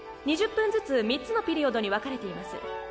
２０分ずつ３つのピリオドに分かれています。